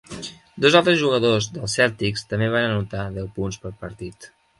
Dos altres jugadors dels Celtics també van anotar deu punts per partit.